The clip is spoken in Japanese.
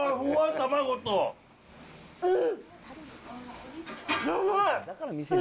うん！